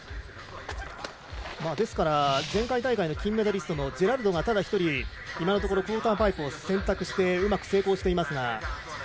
ですから前回大会の金メダリストのジェラルドがただ１人今のところクオーターパイプを選択してうまく成功していますが。